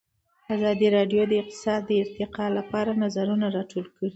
ازادي راډیو د اقتصاد د ارتقا لپاره نظرونه راټول کړي.